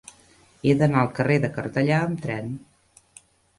He d'anar al carrer de Cartellà amb tren.